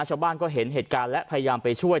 ชาวบ้านก็เห็นเหตุการณ์และพยายามไปช่วย